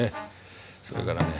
それからね